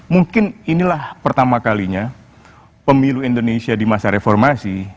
mungkin inilah pertama kalinya pemilu indonesia di masa reformasi